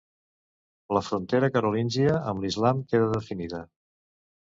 La frontera carolíngia amb l'Islam queda definida.